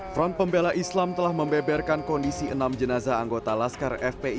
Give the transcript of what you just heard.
front pembela islam telah membeberkan kondisi enam jenazah anggota laskar fpi